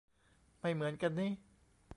ไม่เหมือนกันนิ